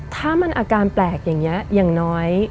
ถ้ามันอาการแปลกอย่างนี้อย่างน้อย